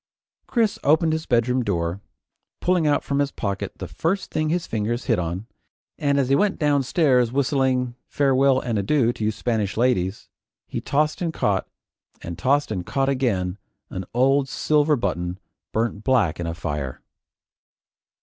Chris opened his bedroom door, pulling out from his pocket the first thing his fingers hit on, and as he went downstairs whistling, "Farewell and Adieu, to you Spanish Ladies," he tossed and caught, and tossed and caught again, an old silver button burnt black in a fire.